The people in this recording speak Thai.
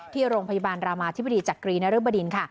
ที่โรงพยาบาลรามาธิบดีจักรีนรบดินค่ะ